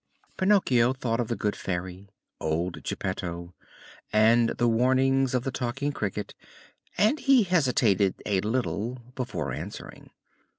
Pinocchio thought of the good Fairy, old Geppetto, and the warnings of the Talking Cricket, and he hesitated a little before answering.